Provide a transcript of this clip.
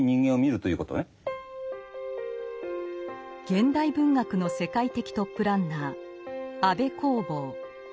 現代文学の世界的トップランナー安部公房。